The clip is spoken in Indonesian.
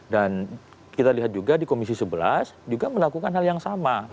dan kita lihat juga di komisi sebelas juga melakukan hal yang sama